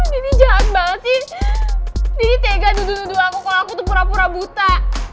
dini jahat banget sih dini tega nuduh nuduh aku kalo aku tuh pura pura buta